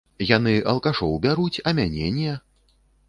Яны алкашоў бяруць, а мяне не.